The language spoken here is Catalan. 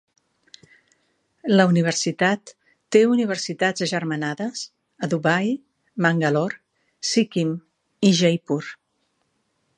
La universitat té universitats agermanades a Dubai, Mangalore, Sikkim i Jaipur.